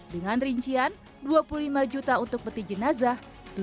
dengan rincian dua puluh lima juta untuk peti jenazah